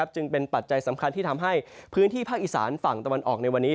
จึงเป็นปัจจัยสำคัญที่ทำให้พื้นที่ภาคอีสานฝั่งตะวันออกในวันนี้